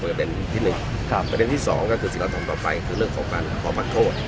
ประเมตตีที่๑ประเมตตีที่๒ก็คือสิกรรธรรมต่อไปเรื่องการขอปะโทษ